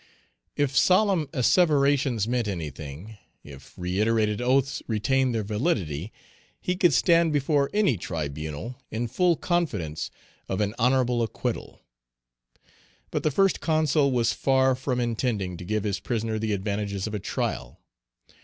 If solemn asseverations meant anything, if reiterated oaths retained their validity, he could stand before any tribunal in full confidence of an honorable acquittal. Page 277 But the First Consul was far from intending to give his prisoner the advantages of a trial.